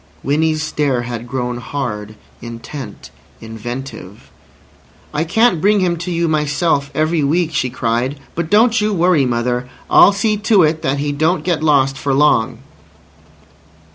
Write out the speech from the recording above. Winnie's stare had grown hard, intent, inventive. "I can't bring him to you myself every week," she cried. "But don't you worry, mother. I'll see to it that he don't get lost for long."